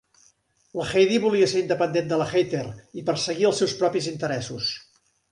La Heidi volia ser independent de la Heather i perseguir els seus propis interessos.